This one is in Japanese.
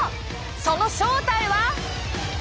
その正体は？